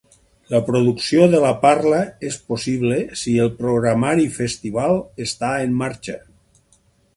La producció de la parla és possible si el programari Festival està en marxa.